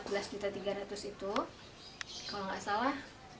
kalau tidak salah